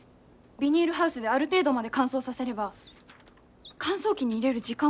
ビニールハウスである程度まで乾燥させれば乾燥機に入れる時間は減らせます。